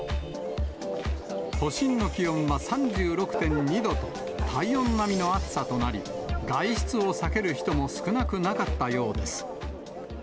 都心の気温は３６．２度と、体温並みの暑さとなり、外出を避ける人も少なくなかったようです。